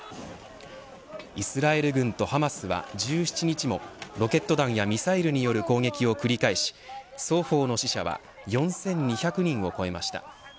イスラエル軍とハマスは１７日もロケット弾やミサイルによる攻撃を繰り返し双方の死者は４２００人を超えました。